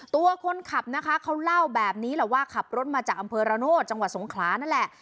ตัวคนขับนะคะเขาเล่าแบบนี้แหละว่าขับรถมาจากอำเภอระโนธจังหวัดสงขลานั่นแหละ